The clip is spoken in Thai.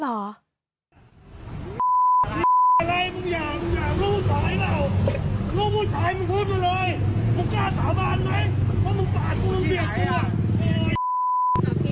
นี่อะไรวะเดี๋ยวมึงอยากดูเลยหรือเปล่า